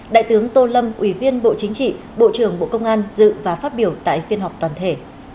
đại tướng tô lâm ủy viên bộ chính trị bộ trưởng bộ công an dự và phát biểu tại phiên họp toàn thể